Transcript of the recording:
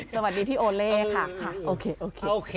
สวัสดีพี่โอเล่ค่ะ